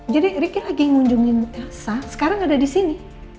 jadi ricky lagi ngunjungin elsa sekarang ada disini